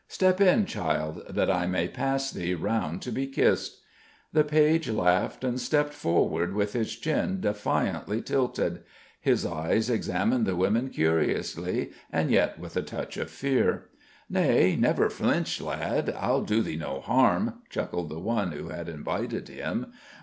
Step in, child, that I may pass thee round to be kissed." The page laughed and stepped forward with his chin defiantly tilted. His eyes examined the women curiously and yet with a touch of fear. "Nay, never flinch, lad! I'll do thee no harm," chuckled the one who had invited him.